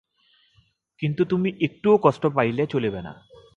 কিন্তু তুমি একটুও কষ্ট পাইলে চলিবে না।